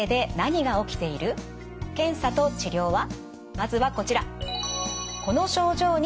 まずはこちら。